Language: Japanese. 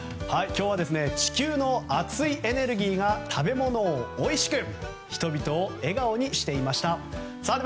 今日は地球の熱いエネルギーが食べ物をおいしく人々を笑顔にしていました。